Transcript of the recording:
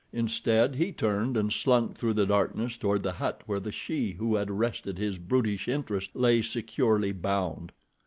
Instead he turned and slunk through the darkness toward the hut where the she who had arrested his brutish interest lay securely bound.